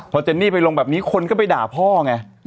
พอเจนนี่ไปลงแบบนี้คนก็ไปด่าพ่อไง